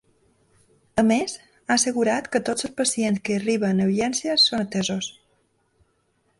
A més, ha assegurat que “tots els pacients que arriben a urgències són atesos”.